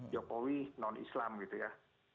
jokowi non islam gitu ya